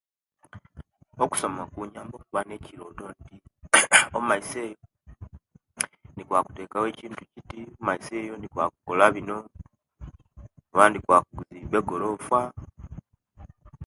Okusoma, kuyamba okuba nekirooto nti omaiso eyo, ndi kwaba kutekawo, ekintu kidi omaiso eye ndi kwaba kukola bino, oba ndi kwaba okuzimba egolofa.